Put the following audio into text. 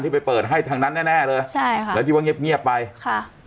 ไปเปิดให้ทางนั้นแน่แน่เลยใช่ค่ะแล้วที่ว่าเงียบเงียบไปค่ะ